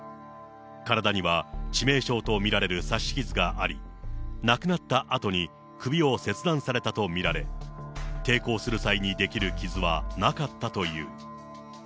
体には致命傷と見られる刺し傷があり、亡くなったあとに首を切断されたと見られ、抵抗する際に出来る傷はなかったという。